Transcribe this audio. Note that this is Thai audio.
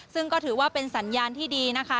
ซึ่งก็ถือว่าเป็นสัญญาณที่ดีนะคะ